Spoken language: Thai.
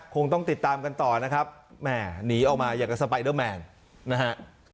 คงต้องติดตามกันต่อนะครับแหม่หนีออกมาอย่างกับสไปเดอร์แมนนะฮะ